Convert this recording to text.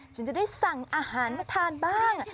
ฉันจะได้สั่งอาหารมาทานบ้าง